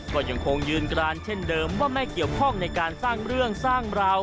ก็ยังคงยืนกรานเช่นเดิมว่าไม่เกี่ยวข้องในการสร้างเรื่องสร้างราว